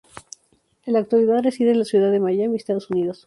En la actualidad reside en la ciudad de Miami, Estados Unidos.